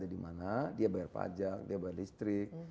dimana dia bayar pajak dia bayar listrik